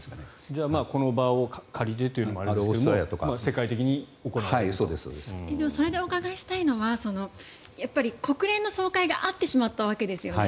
じゃあ、この場を借りてというのもあれですがそれでお伺いしたいのは国連の総会があってしまったわけですよね。